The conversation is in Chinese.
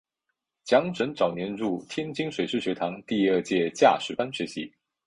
蒋拯早年入天津水师学堂第二届驾驶班学习。